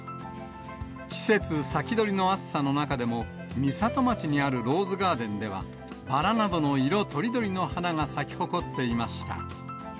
季節先取りの暑さの中でも、美里町にあるローズガーデンでは、バラなどの色とりどりの花が咲き誇っていました。